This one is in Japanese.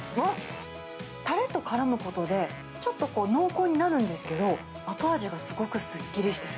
たれとからむことで、ちょっとこう、濃厚になるんですけど、後味がすごくすっきりしている。